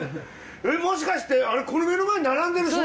もしかしてこの目の前に並んでる醤油？